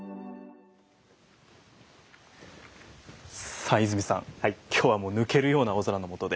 さあ伊住さん今日はもう抜けるような青空のもとで。